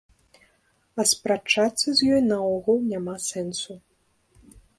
А спрачацца з ёй наогул няма сэнсу.